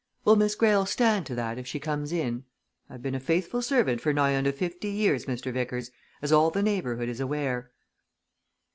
Will Miss Greyle stand to that if she comes in? I've been a faithful servant for nigh on to fifty years, Mr. Vickers, as all the neighbourhood is aware."